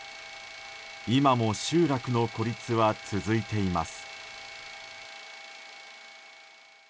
今も集落の孤立は続いています。